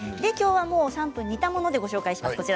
きょうは３分煮たものでご紹介します。